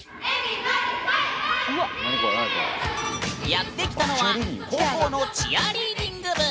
やって来たのは高校のチアリーディング部。